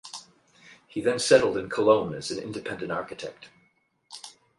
He then settled in Cologne as an independent architect.